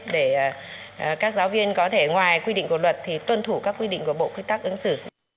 để các giáo viên có thể ngoài quy định của luật thì tuân thủ các quy định của bộ quy tắc ứng xử